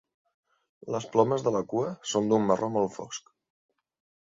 Les plomes de la cua són d'un marró molt fosc.